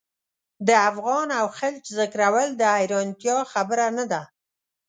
د افغان او خلج ذکرول د حیرانتیا خبره نه ده.